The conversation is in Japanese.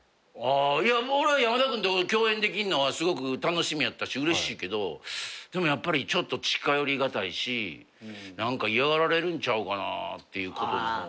いや俺は山田君と共演できんのはすごく楽しみやったしうれしいけどでもやっぱりちょっと近寄りがたいし何か嫌がられるんちゃうかなっていうことの方が。